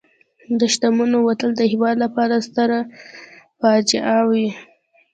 د شتمنو وتل د هېواد لپاره ستره فاجعه وي.